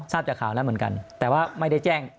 ทราบจากข่าวแล้วเหมือนกันแต่ว่าไม่ได้แจ้ง